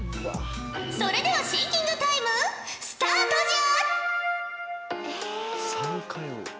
それではシンキングタイムスタートじゃ！